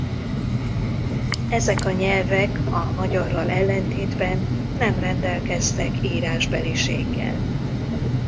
Ezek a nyelvek a magyarral ellentétben nem rendelkeztek írásbeliséggel.